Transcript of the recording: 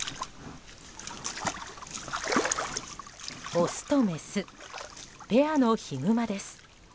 オスとメス、ペアのヒグマです。